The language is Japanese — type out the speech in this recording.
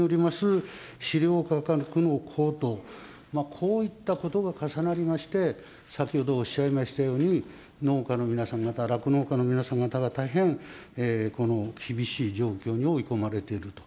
それから、円安の進行によります飼料価格の高騰、こういったことが重なりまして、先ほどおっしゃいましたように、農家の皆さん方、酪農家の皆さん方が大変、この厳しい状況に追い込まれていると。